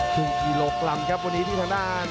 ครึ่งกิโลกรัมครับวันนี้ที่ทางด้าน